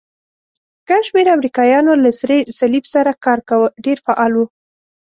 ګڼ شمېر امریکایانو له سرې صلیب سره کار کاوه، ډېر فعال وو.